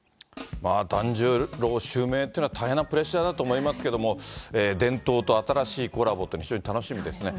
團十郎襲名というのは大変なプレッシャーだと思いますけれども、伝統と新しいコラボっていうのは、非常に楽しみですね。